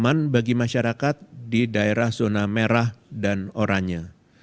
aman bagi masyarakat di daerah zona merah dan oranye